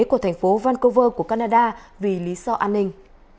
của thành phố vancov của canada vì lý do an ninh